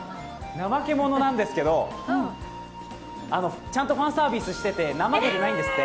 ナマケモノなんですけどちゃんとファンサービスしていてなまけてないんですって。